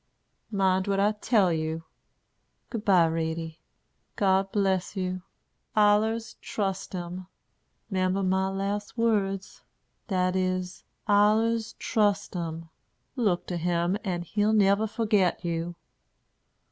Mind what I tell you. Good by, Ratie. God bless you. Allers trust Him. 'Member my last words; dat is, Allers trust Him. Look to Him, and He'll never forget you."